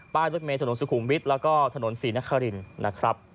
บ้านรถเมฆถนนสุขุมวิทและถนนศรีนครินทร์